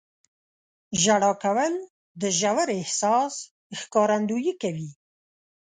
• ژړا کول د ژور احساس ښکارندویي کوي.